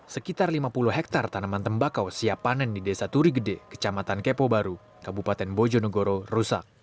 sekitar lima puluh hektare tanaman tembakau siap panen di desa turigede kecamatan kepo baru kabupaten bojonegoro rusak